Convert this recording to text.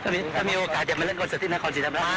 ถ้ามีถ้ามีโอกาสจะมาเล่นคอนเสิร์ตที่นครสิทธิ์ธรรมราช